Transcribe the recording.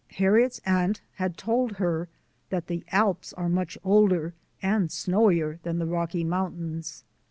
Harriet's aunt had told her that the Alps are much colder and snowier than the Rocky Moun tains.